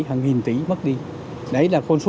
hàng nghìn tỷ mất đi đấy là con số